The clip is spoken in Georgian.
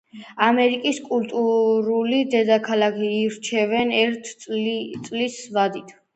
ამერიკის კულტურულ დედაქალაქს ირჩევენ ერთი წლის ვადით.